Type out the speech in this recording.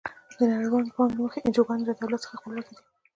د نړیوال بانک له مخې انجوګانې له دولت څخه خپلواکې دي.